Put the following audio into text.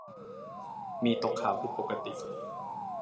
มีตกขาวผิดปกติ